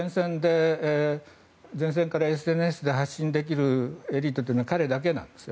前線からＳＮＳで発信できるエリートというのは彼だけなんです。